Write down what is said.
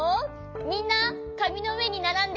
みんなかみのうえにならんで。